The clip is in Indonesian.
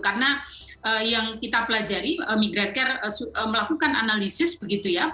karena yang kita pelajari migrate care melakukan analisis begitu ya